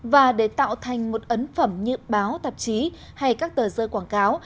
và để tạo thành một ấn phẩm như báo tạp chí hay các tờ rơi quảng cáo